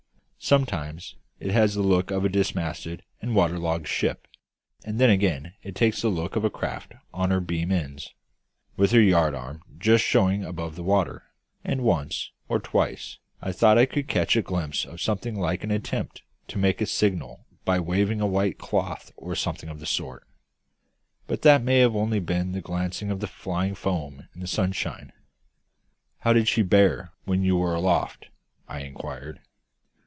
Sometimes it has the look of a dismasted and waterlogged ship; and then again it takes the look of a craft on her beam ends, with her yardarms just showing above the water; and once or twice I thought I could catch a glimpse of something like an attempt to make a signal by waving a white cloth or something of the sort. But that may have been only the glancing of the flying foam in the sunshine." "How did she bear when you were aloft?" I inquired.